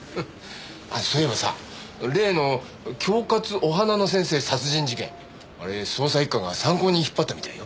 あっそういえばさ例の恐喝お花の先生殺人事件あれ捜査一課が参考人引っ張ったみたいよ。